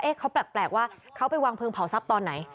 เขาแปลกว่าเขาไปวางเพลิงเผาทรัพย์ตอนไหน